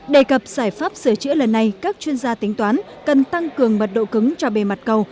đề cập giải pháp sửa chữa lần này các chuyên gia tính toán cần tăng cường mật độ cứng cho bề mặt cầu